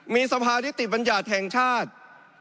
มีสภานิติบัญญัติแห่งชาติ